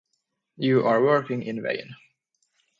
You are working in vain.